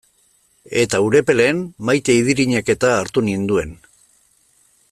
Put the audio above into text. Eta Urepelen Maite Idirinek-eta hartu ninduen.